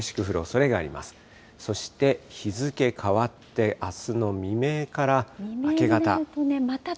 そして、日付変わってあすの未明から明け方。